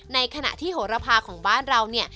ในขณะที่โหระพาของบ้านเราเนี่ย